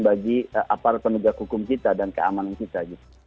jadi aparat penegak hukum kita dan keamanan kita gitu